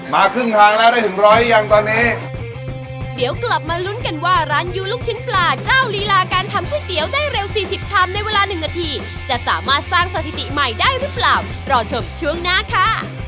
ครึ่งทางแล้วได้ถึงร้อยยังตอนนี้เดี๋ยวกลับมาลุ้นกันว่าร้านยูลูกชิ้นปลาเจ้าลีลาการทำก๋วยเตี๋ยวได้เร็วสี่สิบชามในเวลาหนึ่งนาทีจะสามารถสร้างสถิติใหม่ได้หรือเปล่ารอชมช่วงหน้าค่ะ